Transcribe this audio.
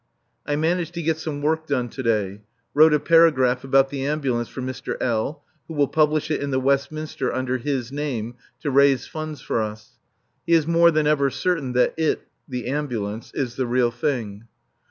I managed to get some work done to day. Wrote a paragraph about the Ambulance for Mr. L., who will publish it in the Westminster under his name, to raise funds for us. He is more than ever certain that it (the Ambulance) is the real thing.